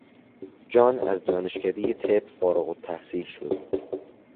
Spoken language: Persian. جان از دانشکدهی طب فارغ التحصیل شد.